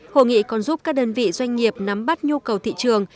hội nghị còn giúp các đơn vị doanh nghiệp nắm bắt nhu cầu thị trường